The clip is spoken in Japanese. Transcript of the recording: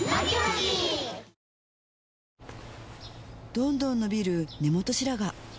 どんどん伸びる根元白髪